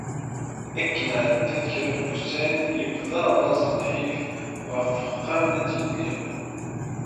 Akken εeddan kra wussan, yebda laẓ d lḥif ɣef uxxam la d-iγelli.